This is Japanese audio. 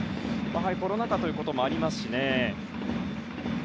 コロナ禍ということもありますしね。